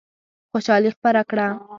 خوشالي خپره کړه.